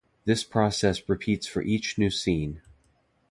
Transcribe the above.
This process repeats for each new scene.